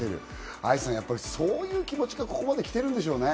愛さん、やっぱりそういう気持ちがここまで来てるんでしょうね。